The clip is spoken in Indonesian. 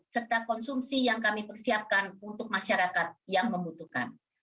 serta konsumsi yang kami persiapkan untuk masyarakat yang membutuhkan